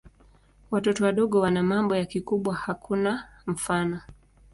Watoto wadogo wana mambo ya kikubwa hakuna mfano.